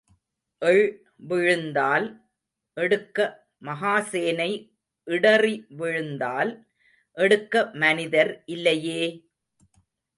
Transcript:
எள் விழுந்தால் எடுக்க மகா சேனை இடறி விழுந்தால் எடுக்க மனிதர் இல்லையே!